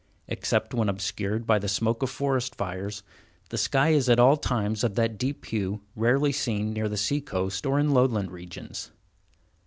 Except when obscured by the smoke of forest fires, the sky is at all times of that deep hue rarely seen near the sea coast or in lowland regions.